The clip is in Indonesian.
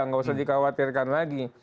nggak usah dikhawatirkan lagi